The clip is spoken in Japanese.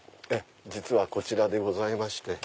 実はこちらでございまして。